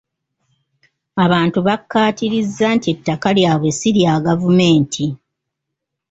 Abantu bakkaatiriza nti ettaka lyabwe si lya gavumenti.